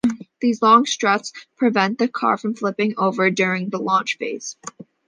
These long struts prevent the car from flipping over during the launch phase.